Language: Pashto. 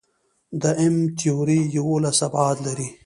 د M-تیوري یوولس ابعاد لري.